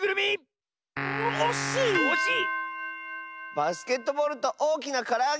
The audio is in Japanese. バスケットボールとおおきなからあげ！